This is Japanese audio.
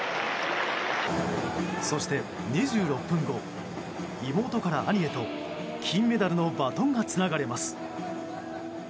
そして、２６分後妹から兄へと金メダルのバトンがつながれます。